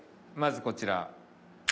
まずこちら。